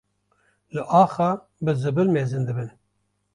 li axa bi zibil mezin dibin.